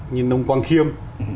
nhìn nông quang khiêm